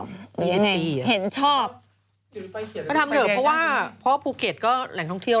มียังไงดีอ่ะเห็นชอบก็ทำเถอะเพราะว่าเพราะว่าภูเก็ตก็แหล่งท่องเที่ยว